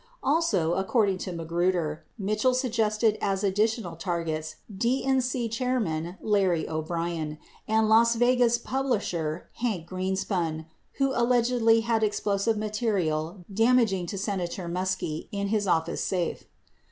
Also, according to Magruder, Mitchell suggested as additional targets DNC chairman Larry O'Brien and Las Vegas publisher Hank Greenspun, who allegedly had explosive material damaging to Senator Muskie in his office safe.